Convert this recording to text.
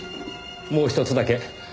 もうひとつだけ。